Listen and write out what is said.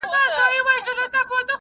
د غریبانو حق مه خوروئ.